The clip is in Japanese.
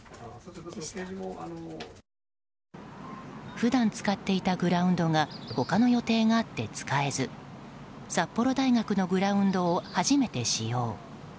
普段使っていたグラウンドが他の予定があって使えず札幌大学のグラウンドを初めて使用。